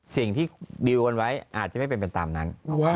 สิ่งที่ดีลกันไว้อาจจะไม่เป็นไปตามนั้น